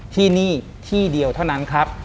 ที่นี่ที่เดียวเท่านั้นครับ